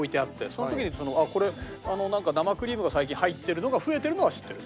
その時に生クリームが最近入ってるのが増えてるのは知ってる。